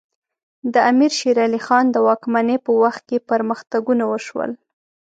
د امیر شیر علی خان د واکمنۍ په وخت کې پرمختګونه وشول.